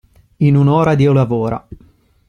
In un'ora Dio lavora.